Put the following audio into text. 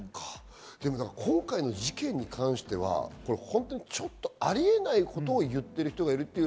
今回の事件に関してはちょっとありえないことを言っている人がいるという。